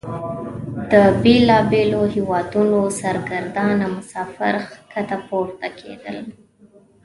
د بیلابیلو هیوادونو سرګردانه مسافر ښکته پورته کیدل.